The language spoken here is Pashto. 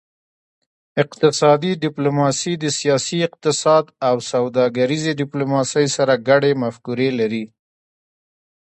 اقتصادي ډیپلوماسي د سیاسي اقتصاد او سوداګریزې ډیپلوماسي سره ګډې مفکورې لري